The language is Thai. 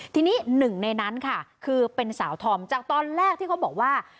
ทีนี้หนึ่งในนั้นค่ะคือเป็นสาวธอมจากตอนแรกที่เขาบอกว่า